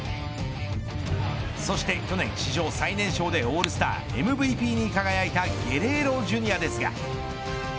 そして去年史上最年少でオールスターＭＶＰに輝いたゲレーロＪｒ．ですが。